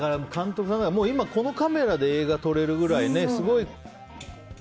今、このカメラで映画を撮れるぐらいで。